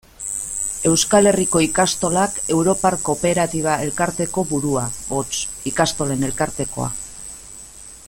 Euskal Herriko Ikastolak europar kooperatiba-elkarteko burua, hots, Ikastolen Elkartekoa.